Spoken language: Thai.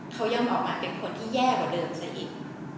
เขายังออกมาเป็นคนที่แย่กว่าเดิมซะอีก